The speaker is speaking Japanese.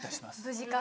無事か。